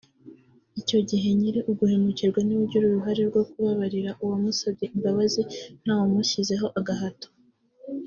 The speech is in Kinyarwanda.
Icyo gihe nyiri uguhemukirwa niwe ugira uruhare rwo kubabarira uwamusabye imbabazi nta wumushyizeho agahato